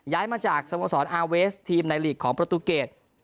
มาจากสโมสรอาร์เวสทีมในลีกของประตูเกต